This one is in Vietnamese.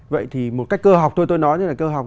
vậy thì một cách cơ học tôi tôi nói như là cơ học